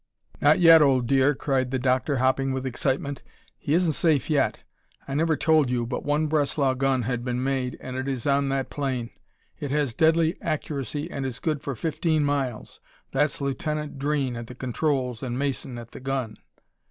"Not yet, old dear!" cried the Doctor hopping with excitement. "He isn't safe yet. I never told you, but one Breslau gun had been made and it is on that plane. It has deadly accuracy and is good for fifteen miles. That's Lieutenant Dreen at the controls and Mason at the gun."